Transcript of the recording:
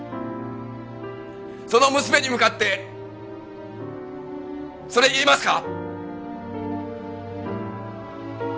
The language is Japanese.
その娘に向かってそれ言えますか？